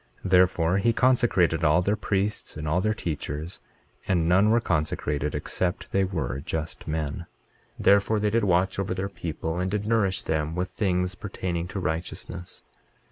Therefore he consecrated all their priests and all their teachers; and none were consecrated except they were just men. 23:18 Therefore they did watch over their people, and did nourish them with things pertaining to righteousness.